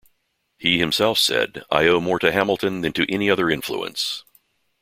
He himself said I owe more to Hamilton than to any other influence.